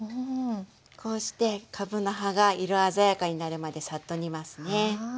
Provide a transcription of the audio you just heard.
こうしてかぶの葉が色鮮やかになるまでサッと煮ますね。